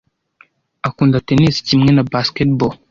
Akunda tennis kimwe na basketball.